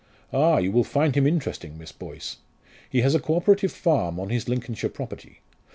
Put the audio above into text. Ah, you will find him interesting, Miss Boyce! He has a co operative farm on his Lincolnshire property.